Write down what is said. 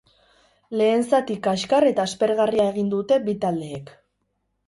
Lehen zati kaskar eta aspergarria egin dute bi taldeek.